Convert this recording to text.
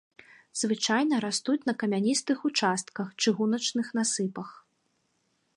Звычайна растуць на камяністых участках, чыгуначных насыпах.